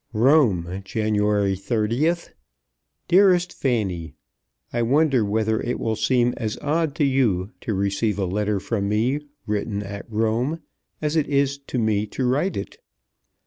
Rome, January 30th, 18 . DEAREST FANNY, I wonder whether it will seem as odd to you to receive a letter from me written at Rome as it is to me to write it.